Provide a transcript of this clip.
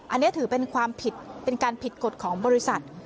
อันนี้ถือเป็นความผิดเป็นการผิดกฎของบริษัท